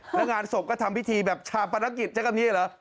แล้วงานศพก็ทำพิธีชาปนกิจใกล้กับนี้หรือ